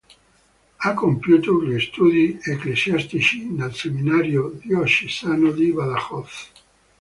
Ha compiuto gli studi ecclesiastici nel seminario diocesano di Badajoz.